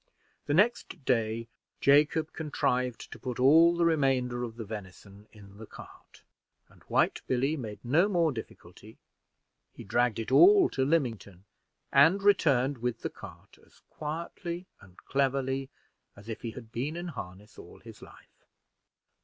The next day, Jacob contrived to put all the remainder of the venison in the cart, and White Billy made no more difficulty; he dragged it all to Lymington, and returned with the cart as quietly and cleverly as if he had been in harness all his life.